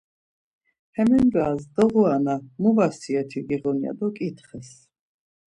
Hemindoras doğurana mu vesiyet̆i giğun ya do ǩitxes.